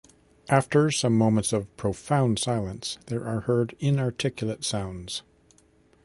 After some moments of profound silence there are heard inarticulate sounds.